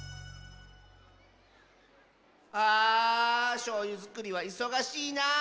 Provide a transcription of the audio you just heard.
あしょうゆづくりはいそがしいなあ。